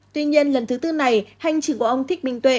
tuy nhiên lần thứ tư này hành trình của ông thích minh tuệ